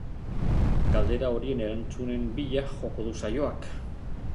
Galdera horien erantzunen bila joko du saioak.